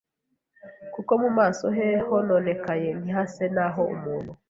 “Kuko mu maso he hononekaye ntihase n’aho umuntu,